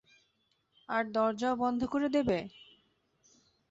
আর দরজাও বন্ধ করে দেবে?